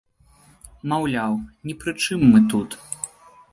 Маўляў, ні пры чым мы тут.